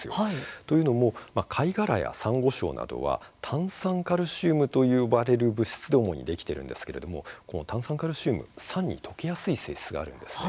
というのも貝殻やサンゴサンゴ礁などは炭酸カルシウムと呼ばれる物質で主にできているんですけれどもこの炭酸カルシウム酸に溶けやすい性質があります。